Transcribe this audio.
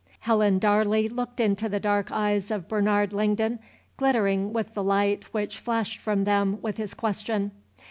Helen Darley looked into the dark eyes of Bernard Langdon glittering with the light which flashed from them with his question.